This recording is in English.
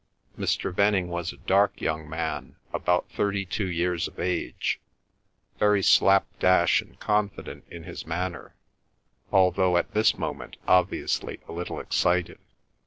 Mr. Venning was a dark young man, about thirty two years of age, very slapdash and confident in his manner, although at this moment obviously a little excited.